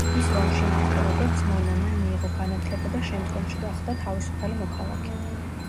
ის რომში მოხვდა, როგორც მონა მან მიიღო განათლება და შემდგომში გახდა თავისუფალი მოქალაქე.